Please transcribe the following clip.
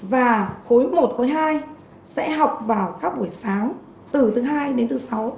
và khối một khối hai sẽ học vào các buổi sáng từ thứ hai đến thứ sáu